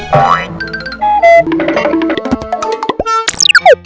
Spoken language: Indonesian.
bapak bapak bapak bapak